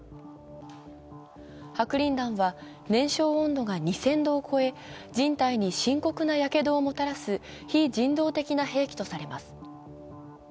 白リン弾は燃焼温度が２０００度を超え人体に深刻なやけどをもたらす非人道的な兵器とされます。